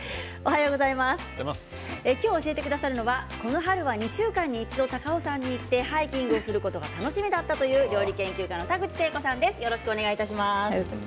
今日、教えてくださるのはこの春は２週間に一度高尾山に行ってハイキングすることが楽しみだという料理研究家の田口成子さんです。